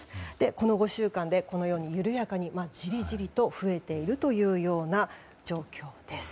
この５週間で緩やかにじりじりと増えているというような状況です。